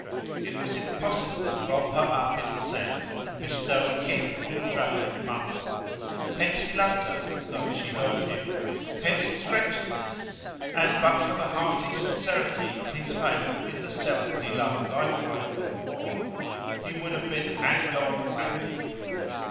It was impossible to roll her up in the sex and bestow a kick on the travelling bundle. Hence he loved her, though she hurt him. Hence his wretchedness, and but for the hearty sincerity of his faith in the Self he loved likewise and more, he would have been hangdog abject.